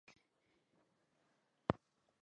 ډاکتر چې معاينه کړم ويې ويل اوهو ته خو تبه لرې.